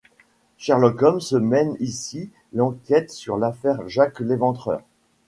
Sherlock Holmes mène ici l'enquête sur l'affaire Jack l'Éventreur.